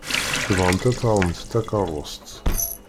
Tebɣamt ad d-taɣemt takeṛṛust.